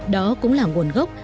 đó cũng là nguồn gốc